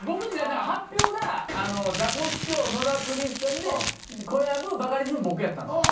発表がザコシショウ野田クリスタルで小籔バカリズム僕やったんですよ。